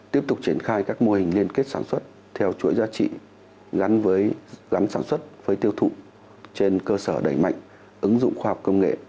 tiếp tục triển khai các mô hình liên kết sản xuất theo chuỗi giá trị gắn với gắn sản xuất với tiêu thụ trên cơ sở đẩy mạnh ứng dụng khoa học công nghệ